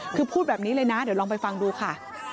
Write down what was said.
คือพูดแบบนี้เลยนะเดี๋ยวลองไปฟังดูค่ะ